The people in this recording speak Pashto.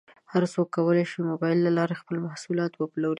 هر څوک کولی شي د مبایل له لارې خپل محصولات وپلوري.